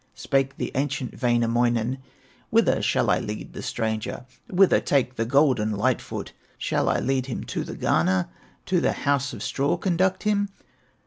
'" Spake the ancient Wainamoinen: "Whither shall I lead the stranger, Whither take the golden Light foot? Shall I lead him to the garner, To the house of straw conduct him?"